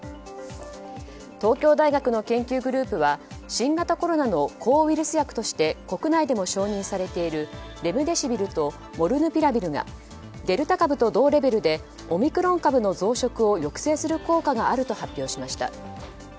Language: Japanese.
東京大学の研究グループは新型コロナの抗ウイルス薬として国内でも承認されているレムデシビルとモルヌピラビルがデルタ株と同レベルでオミクロン株の増殖を抑制する効果があると発表しました。